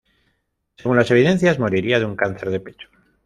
Según las evidencias, moriría de un cáncer de pecho.